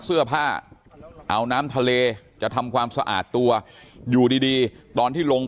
เสื้อผ้าเอาน้ำทะเลจะทำความสะอาดตัวอยู่ดีดีตอนที่ลง